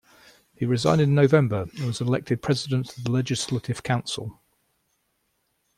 He resigned in November and was elected president of the Legislative Council.